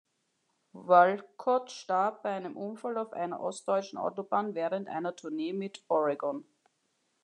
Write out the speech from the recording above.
Walcott starb bei einem Unfall auf einer ostdeutschen Autobahn während einer Tournee mit "Oregon".